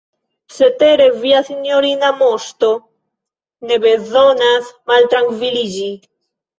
Cetere via sinjorina Moŝto ne bezonas maltrankviliĝi.